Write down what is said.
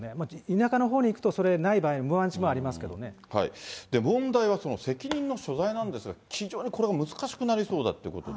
田舎のほうに行くと、問題はその責任の所在なんですが、非常にこれ難しくなりそうだということで。